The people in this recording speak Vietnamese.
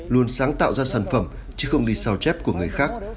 luôn sáng tạo ra sản phẩm chứ không đi sao chép của người khác